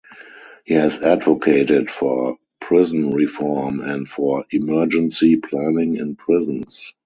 He has advocated for prison reform and for emergency planning in prisons.